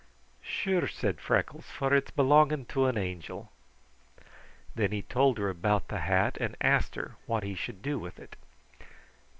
"Sure," said Freckles, "for it's belonging to an Angel!" Then he told her about the hat and asked her what he should do with it.